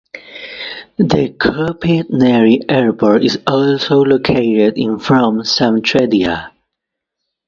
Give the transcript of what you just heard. The Kopitnari Airport is also located in from Samtredia.